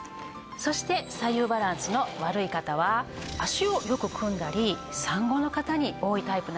そして左右バランスの悪い方は脚をよく組んだり産後の方に多いタイプなんですが。